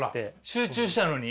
集中したのに？